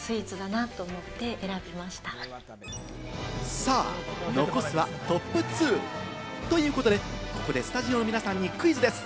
さあ、残すはトップ２。ということで、ここでスタジオの皆さんにクイズです。